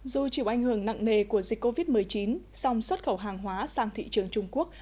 dù chịu ảnh hưởng nặng nề của dịch covid một mươi chín song xuất khẩu hàng hóa sang thị trường trung quốc